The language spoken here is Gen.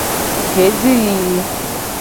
Gbe ji yiyi.